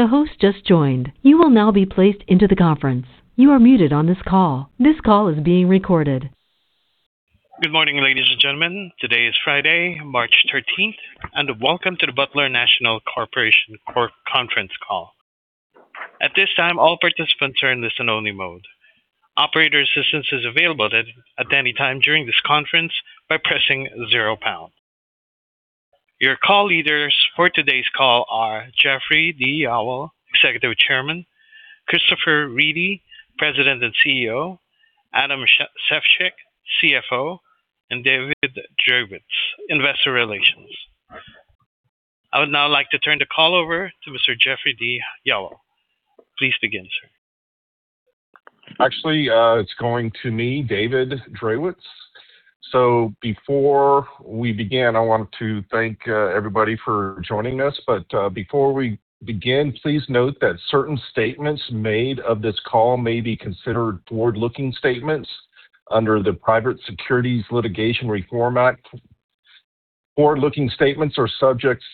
Good morning, ladies and gentlemen. Today is Friday, March 13th, and welcome to the Butler National Corporation conference call. At this time, all participants are in listen-only mode. Operator assistance is available at any time during this conference by pressing zero pound. Your call leaders for today's call are Jeffrey D. Yowell, Executive Chairman, Christopher Reedy, President and CEO, Adam Sefchick, CFO, and David Drewitz, Investor Relations. I would now like to turn the call over to Mr. Jeffrey D. Yowell. Please begin, sir. Actually, it's going to me, David Drewitz. Before we begin, I want to thank everybody for joining us. Before we begin, please note that certain statements made of this call may be considered forward-looking statements under the Private Securities Litigation Reform Act. Forward-looking statements are subjects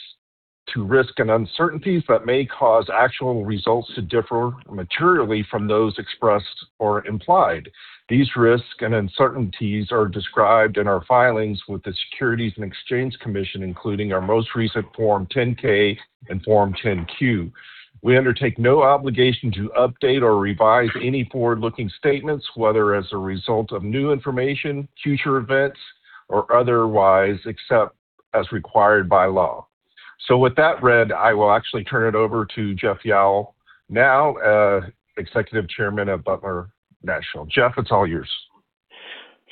to risks and uncertainties that may cause actual results to differ materially from those expressed or implied. These risks and uncertainties are described in our filings with the Securities and Exchange Commission, including our most recent Form 10-K and Form 10-Q. We undertake no obligation to update or revise any forward-looking statements, whether as a result of new information, future events, or otherwise, except as required by law. With that read, I will actually turn it over to Jeff Yowell, now Executive Chairman of Butler National. Jeff, it's all yours.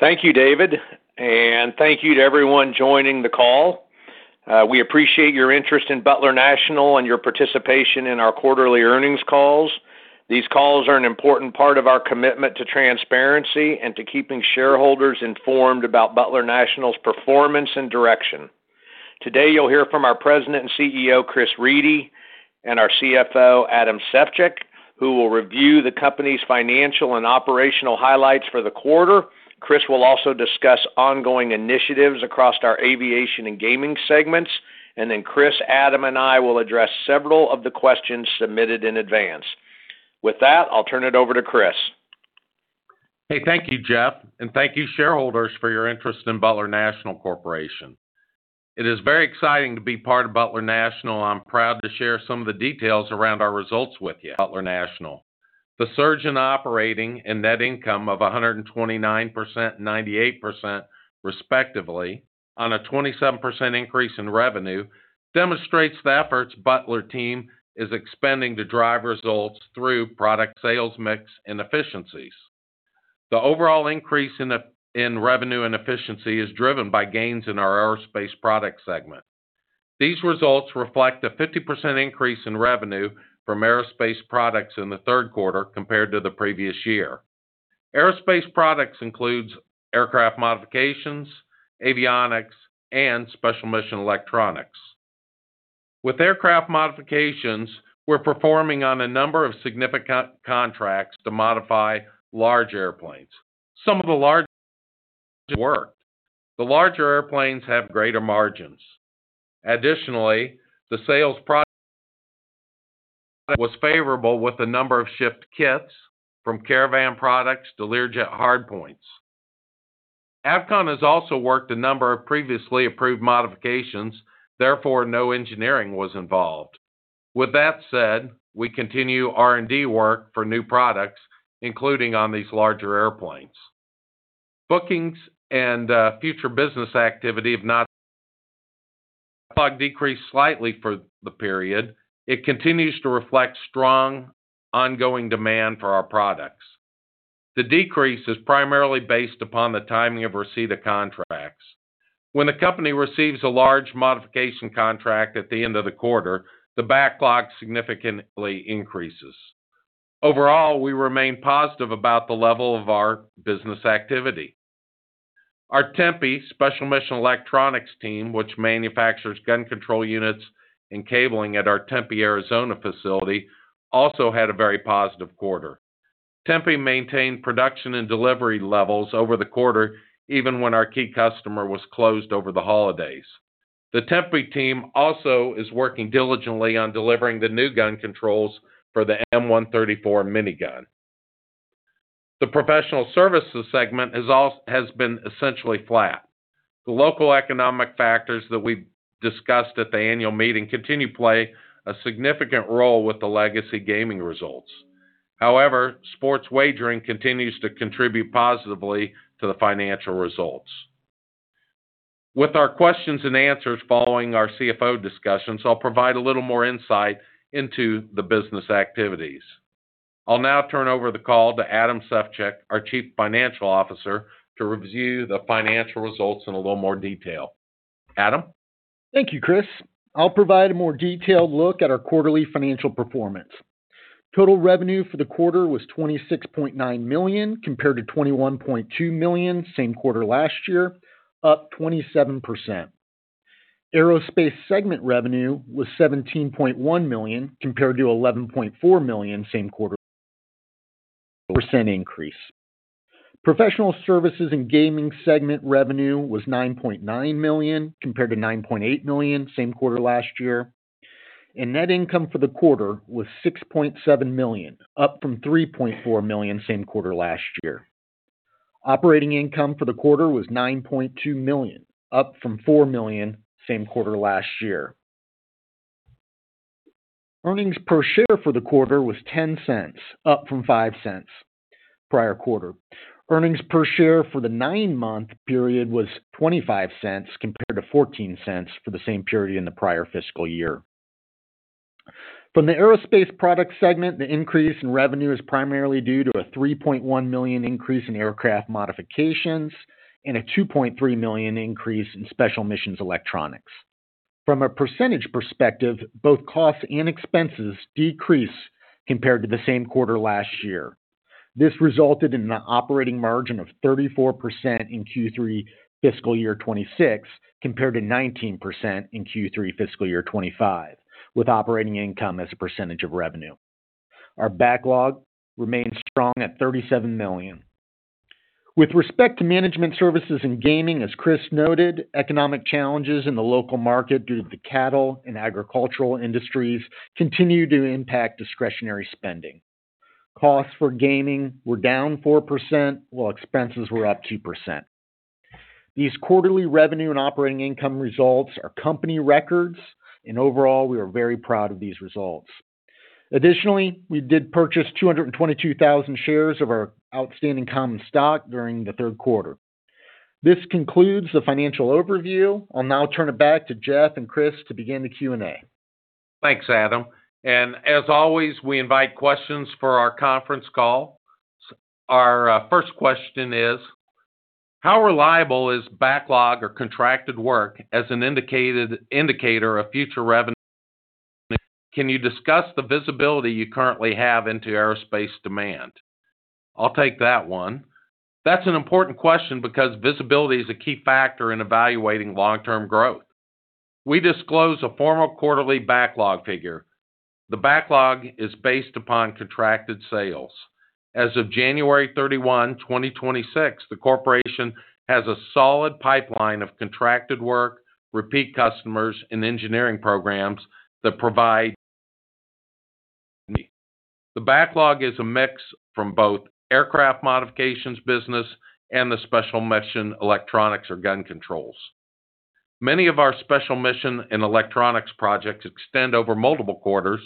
Thank you, David, and thank you to everyone joining the call. We appreciate your interest in Butler National and your participation in our quarterly earnings calls. These calls are an important part of our commitment to transparency and to keeping shareholders informed about Butler National's performance and direction. Today, you'll hear from our President and CEO, Chris Reedy, and our CFO, Adam Sefchick, who will review the company's financial and operational highlights for the quarter. Chris will also discuss ongoing initiatives across our aviation and gaming segments. Chris, Adam, and I will address several of the questions submitted in advance. With that, I'll turn it over to Chris. Hey, thank you, Jeff. Thank you, shareholders, for your interest in Butler National Corporation. It is very exciting to be part of Butler National. I'm proud to share some of the details around our results with you. Butler National. The surge in operating and net income of 129% and 98% respectively on a 27% increase in revenue demonstrates the efforts Butler team is expending to drive results through product sales mix and efficiencies. The overall increase in revenue and efficiency is driven by gains in our aerospace product segment. These results reflect a 50% increase in revenue from aerospace products in the third quarter compared to the previous year. Aerospace products includes aircraft modifications, avionics, and special mission electronics. With aircraft modifications, we're performing on a number of significant contracts to modify large airplanes. Some of the large work. The larger airplanes have greater margins. Additionally, the sales product was favorable with the number of ship kits from Caravan products to Learjet hardpoints. Avcon has also worked a number of previously approved modifications, therefore no engineering was involved. With that said, we continue R&D work for new products, including on these larger airplanes. Bookings and future business activity decreased slightly for the period. It continues to reflect strong ongoing demand for our products. The decrease is primarily based upon the timing of receipt of contracts. When the company receives a large modification contract at the end of the quarter, the backlog significantly increases. Overall, we remain positive about the level of our business activity. Our Tempe Special Mission Electronics team, which manufactures gun control units and cabling at our Tempe, Arizona facility, also had a very positive quarter. Tempe maintained production and delivery levels over the quarter, even when our key customer was closed over the holidays. The Tempe team also is working diligently on delivering the new gun controls for the M134 Minigun. The professional services segment has been essentially flat. The local economic factors that we've discussed at the annual meeting continue to play a significant role with the legacy gaming results. However, sports wagering continues to contribute positively to the financial results. With our questions and answers following our CFO discussions, I'll provide a little more insight into the business activities. I'll now turn over the call to Adam Sefchick, our Chief Financial Officer, to review the financial results in a little more detail. Adam. Thank you, Chris. I'll provide a more detailed look at our quarterly financial performance. Total revenue for the quarter was $26.9 million, compared to $21.2 million same quarter last year, up 27%. Aerospace segment revenue was $17.1 million, compared to $11.4 million same quarter, percent increase. Professional services and gaming segment revenue was $9.9 million, compared to $9.8 million same quarter last year. Net income for the quarter was $6.7 million, up from $3.4 million same quarter last year. Operating income for the quarter was $9.2 million, up from $4 million same quarter last year. Earnings per share for the quarter was $0.10, up from $0.05 prior quarter. Earnings per share for the nine-month period was $0.25 compared to $0.14 for the same period in the prior fiscal year. From the aerospace product segment, the increase in revenue is primarily due to a $3.1 million increase in aircraft modifications and a $2.3 million increase in Special Mission Electronics. From a percentage perspective, both costs and expenses decrease compared to the same quarter last year. This resulted in an operating margin of 34% in Q3 fiscal year 2026, compared to 19% in Q3 fiscal year 2025, with operating income as a percentage of revenue. Our backlog remains strong at $37 million. With respect to management services and gaming, as Chris noted, economic challenges in the local market due to the cattle and agricultural industries continue to impact discretionary spending. Costs for gaming were down 4%, while expenses were up 2%. These quarterly revenue and operating income results are company records, and overall, we are very proud of these results. Additionally, we did purchase 222,000 shares of our outstanding common stock during the third quarter. This concludes the financial overview. I'll now turn it back to Jeff and Chris to begin the Q&A. Thanks, Adam. As always, we invite questions for our conference call. Our first question is: How reliable is backlog or contracted work as an indicator of future revenue? Can you discuss the visibility you currently have into aerospace demand? I'll take that one. That's an important question because visibility is a key factor in evaluating long-term growth. We disclose a formal quarterly backlog figure. The backlog is based upon contracted sales. As of January 31, 2026, the corporation has a solid pipeline of contracted work, repeat customers, and engineering programs that provide me. The backlog is a mix from both aircraft modifications business and the special mission electronics or gun control units. Many of our special mission electronics projects extend over multiple quarters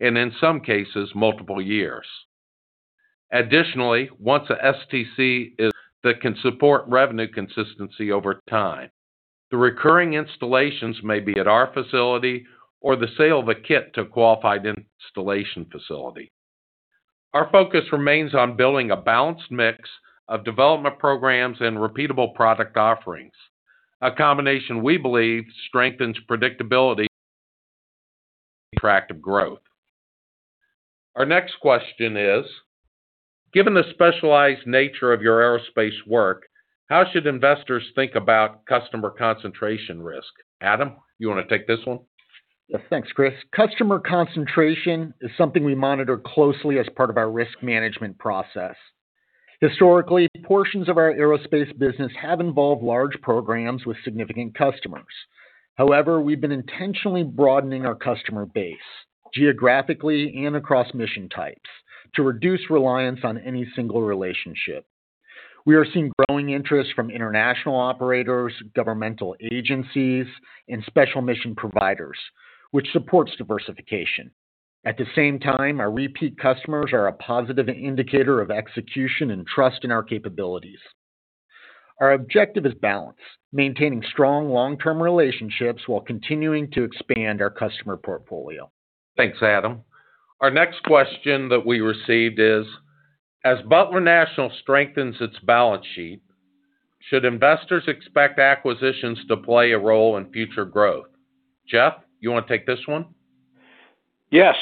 and, in some cases, multiple years. Additionally, once an STC that can support revenue consistency over time. The recurring installations may be at our facility or the sale of a kit to a qualified installation facility. Our focus remains on building a balanced mix of development programs and repeatable product offerings, a combination we believe strengthens predictability and attractive growth. Our next question is: Given the specialized nature of your aerospace work, how should investors think about customer concentration risk? Adam, you want to take this one? Yes. Thanks, Chris. Customer concentration is something we monitor closely as part of our risk management process. Historically, portions of our aerospace business have involved large programs with significant customers. However, we've been intentionally broadening our customer base geographically and across mission types to reduce reliance on any single relationship. We are seeing growing interest from international operators, governmental agencies, and special mission providers, which supports diversification. At the same time, our repeat customers are a positive indicator of execution and trust in our capabilities. Our objective is balance, maintaining strong long-term relationships while continuing to expand our customer portfolio. Thanks, Adam. Our next question that we received is: As Butler National strengthens its balance sheet, Should investors expect acquisitions to play a role in future growth? Jeff, you want to take this one? Yes.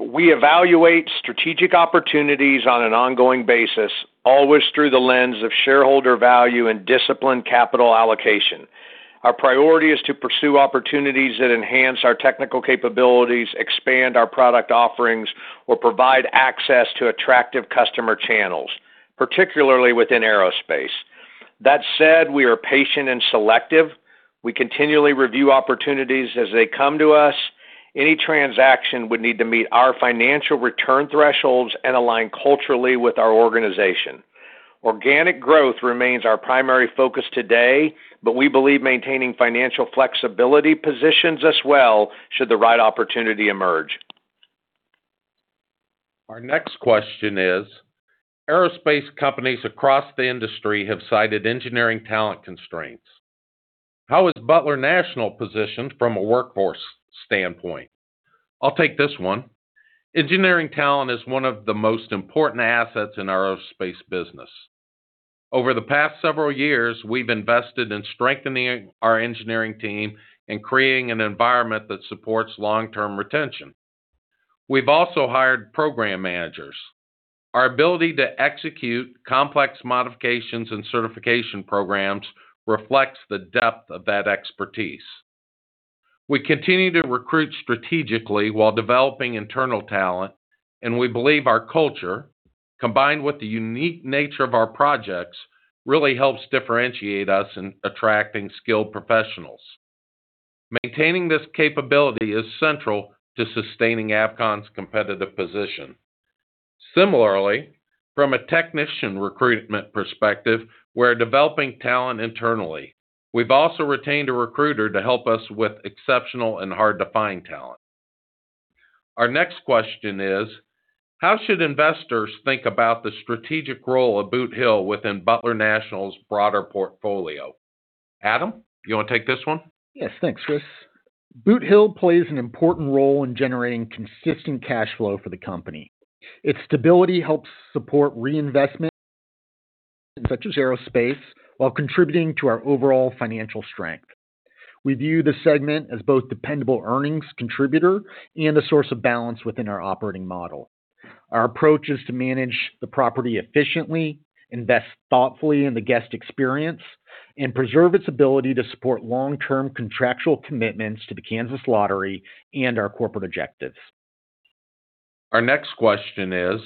We evaluate strategic opportunities on an ongoing basis, always through the lens of shareholder value and disciplined capital allocation. Our priority is to pursue opportunities that enhance our technical capabilities, expand our product offerings, or provide access to attractive customer channels, particularly within aerospace. That said, we are patient and selective. We continually review opportunities as they come to us. Any transaction would need to meet our financial return thresholds and align culturally with our organization. Organic growth remains our primary focus today, but we believe maintaining financial flexibility positions us well should the right opportunity emerge. Our next question is, aerospace companies across the industry have cited engineering talent constraints. How is Butler National positioned from a workforce standpoint? I'll take this one. Engineering talent is one of the most important assets in our aerospace business. Over the past several years, we've invested in strengthening our engineering team and creating an environment that supports long-term retention. We've also hired program managers. Our ability to execute complex modifications and certification programs reflects the depth of that expertise. We continue to recruit strategically while developing internal talent, and we believe our culture, combined with the unique nature of our projects, really helps differentiate us in attracting skilled professionals. Maintaining this capability is central to sustaining Avcon's competitive position. Similarly, from a technician recruitment perspective, we're developing talent internally. We've also retained a recruiter to help us with exceptional and hard-to-find talent. Our next question is: How should investors think about the strategic role of Boot Hill within Butler National's broader portfolio? Adam, you want to take this one? Yes. Thanks, Chris. Boot Hill plays an important role in generating consistent cash flow for the company. Its stability helps support reinvestment such as aerospace while contributing to our overall financial strength. We view this segment as both dependable earnings contributor and a source of balance within our operating model. Our approach is to manage the property efficiently, invest thoughtfully in the guest experience, and preserve its ability to support long-term contractual commitments to the Kansas Lottery and our corporate objectives. Our next question is: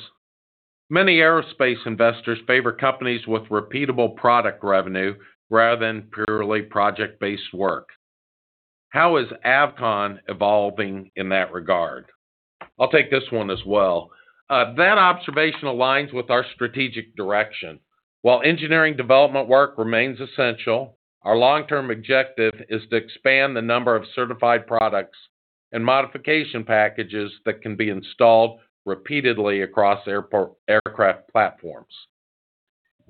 Many aerospace investors favor companies with repeatable product revenue rather than purely project-based work. How is Avcon evolving in that regard? I'll take this one as well. That observation aligns with our strategic direction. While engineering development work remains essential, our long-term objective is to expand the number of certified products and modification packages that can be installed repeatedly across aircraft platforms.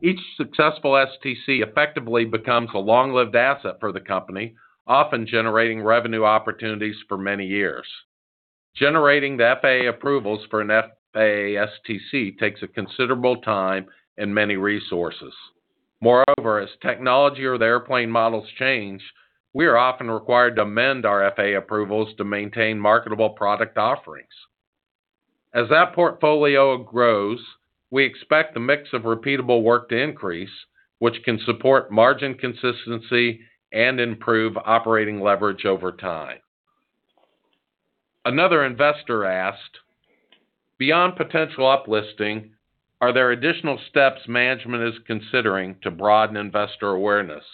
Each successful STC effectively becomes a long-lived asset for the company, often generating revenue opportunities for many years. Generating the FAA approvals for an FAA STC takes a considerable time and many resources. Moreover, as technology or the airplane models change, we are often required to amend our FAA approvals to maintain marketable product offerings. As that portfolio grows, we expect the mix of repeatable work to increase, which can support margin consistency and improve operating leverage over time. Another investor asked: Beyond potential up-listing, are there additional steps management is considering to broaden investor awareness?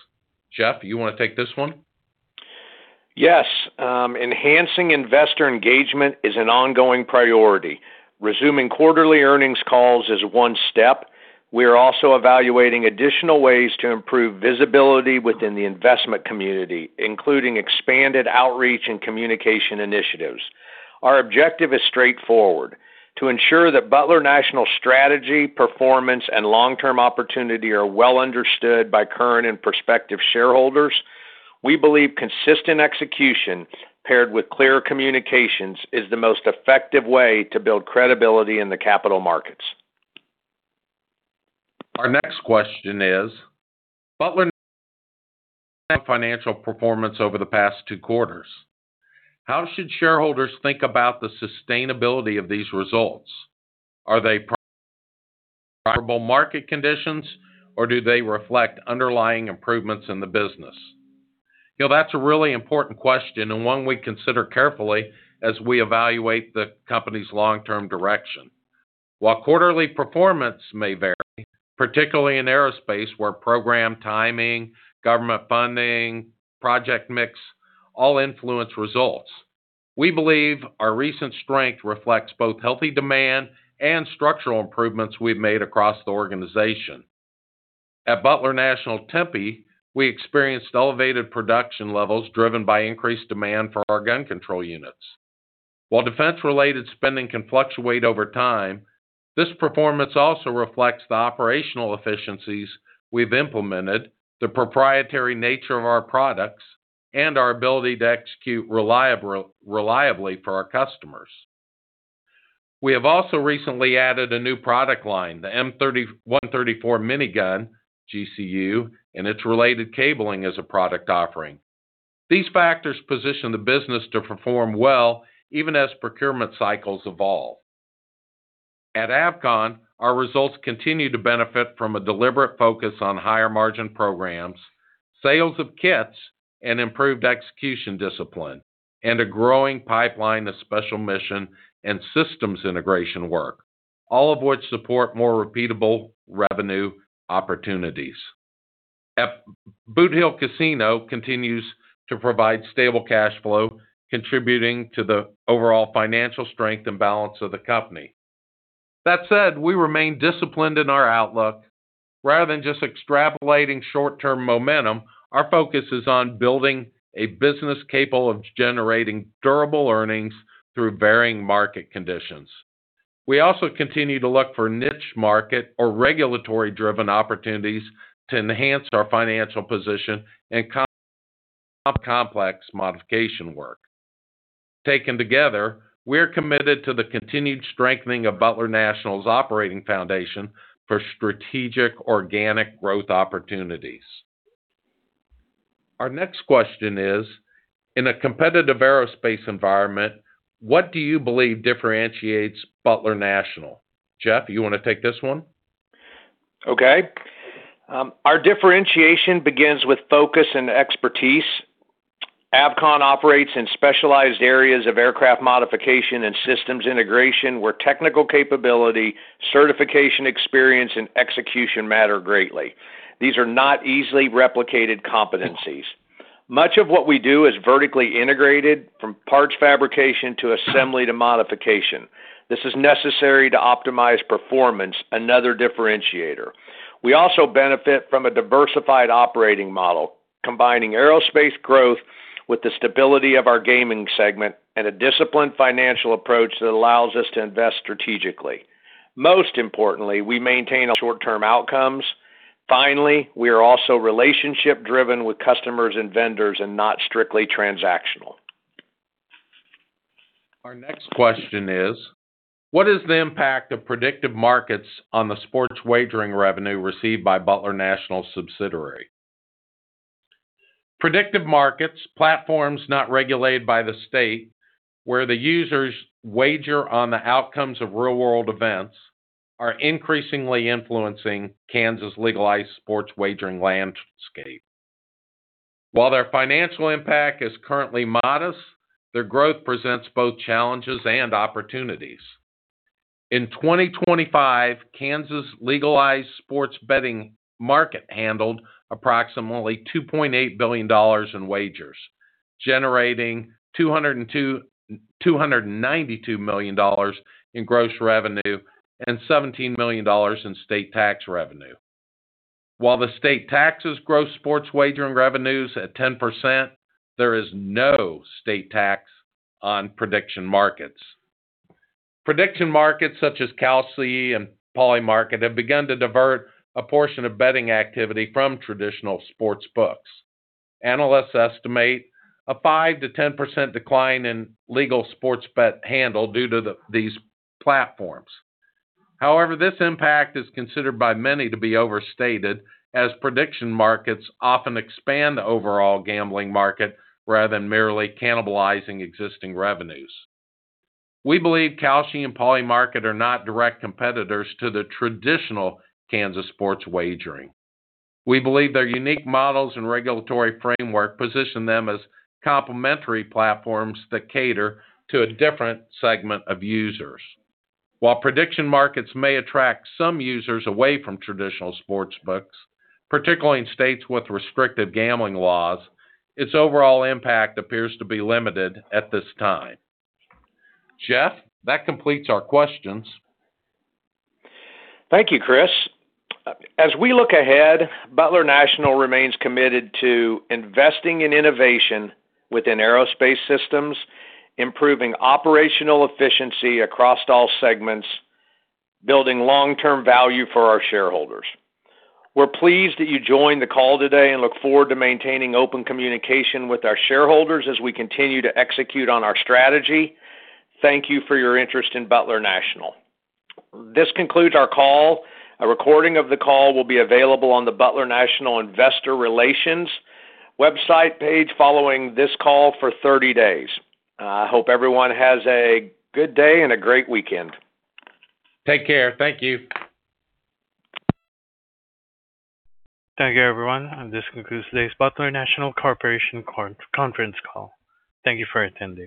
Jeff, you want to take this one? Yes. Enhancing investor engagement is an ongoing priority. Resuming quarterly earnings calls is one step. We are also evaluating additional ways to improve visibility within the investment community, including expanded outreach and communication initiatives. Our objective is straightforward. To ensure that Butler National strategy, performance, and long-term opportunity are well understood by current and prospective shareholders, we believe consistent execution paired with clear communications is the most effective way to build credibility in the capital markets. Our next question is: Butler's financial performance over the past two quarters. How should shareholders think about the sustainability of these results? Are they probable market conditions or do they reflect underlying improvements in the business? You know, that's a really important question and one we consider carefully as we evaluate the company's long-term direction. While quarterly performance may vary, particularly in aerospace, where program timing, government funding, project mix all influence results, we believe our recent strength reflects both healthy demand and structural improvements we've made across the organization. At Butler National Tempe, we experienced elevated production levels driven by increased demand for our gun control units. While defense-related spending can fluctuate over time, this performance also reflects the operational efficiencies we've implemented, the proprietary nature of our products, and our ability to execute reliably for our customers. We have also recently added a new product line, the M134 Minigun GCU, and its related cabling as a product offering. These factors position the business to perform well even as procurement cycles evolve. At Avcon, our results continue to benefit from a deliberate focus on higher margin programs, sales of kits and improved execution discipline, and a growing pipeline of special mission and systems integration work, all of which support more repeatable revenue opportunities. Boot Hill Casino continues to provide stable cash flow, contributing to the overall financial strength and balance of the company. That said, we remain disciplined in our outlook. Rather than just extrapolating short-term momentum, our focus is on building a business capable of generating durable earnings through varying market conditions. We also continue to look for niche market or regulatory-driven opportunities to enhance our financial position and complex modification work. Taken together, we're committed to the continued strengthening of Butler National's operating foundation for strategic organic growth opportunities. Our next question is: In a competitive aerospace environment, what do you believe differentiates Butler National? Jeff, you wanna take this one? Okay. Our differentiation begins with focus and expertise. Avcon operates in specialized areas of aircraft modification and systems integration where technical capability, certification experience, and execution matter greatly. These are not easily replicated competencies. Much of what we do is vertically integrated from parts fabrication to assembly to modification. This is necessary to optimize performance, another differentiator. We also benefit from a diversified operating model, combining aerospace growth with the stability of our gaming segment and a disciplined financial approach that allows us to invest strategically. Most importantly, we maintain a short-term outcomes. Finally, we are also relationship-driven with customers and vendors and not strictly transactional. Our next question is: What is the impact of prediction markets on the sports wagering revenue received by Butler National subsidiary? Prediction markets, platforms not regulated by the state, where the users wager on the outcomes of real-world events, are increasingly influencing Kansas legalized sports wagering landscape. While their financial impact is currently modest, their growth presents both challenges and opportunities. In 2025, Kansas legalized sports betting market handled approximately $2.8 billion in wagers, generating $292 million in gross revenue and $17 million in state tax revenue. While the state taxes gross sports wagering revenues at 10%, there is no state tax on prediction markets. Prediction markets such as Kalshi and Polymarket have begun to divert a portion of betting activity from traditional sportsbooks. Analysts estimate a 5%-10% decline in legal sports bet handle due to these platforms. However, this impact is considered by many to be overstated, as prediction markets often expand the overall gambling market rather than merely cannibalizing existing revenues. We believe Kalshi and Polymarket are not direct competitors to the traditional Kansas sports wagering. We believe their unique models and regulatory framework position them as complementary platforms that cater to a different segment of users. While prediction markets may attract some users away from traditional sportsbooks, particularly in states with restrictive gambling laws, its overall impact appears to be limited at this time. Jeff, that completes our questions. Thank you, Chris. As we look ahead, Butler National remains committed to investing in innovation within aerospace systems, improving operational efficiency across all segments, building long-term value for our shareholders. We're pleased that you joined the call today and look forward to maintaining open communication with our shareholders as we continue to execute on our strategy. Thank you for your interest in Butler National. This concludes our call. A recording of the call will be available on the Butler National Investor Relations website page following this call for 30 days. I hope everyone has a good day and a great weekend. Take care. Thank you. Thank you, everyone. This concludes today's Butler National Corporation conference call. Thank you for attending.